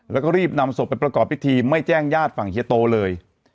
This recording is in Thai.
แล้วก็รีบนำศพไปประกอบพิธีไม่แจ้งญาติฝั่งเฮียโตเลย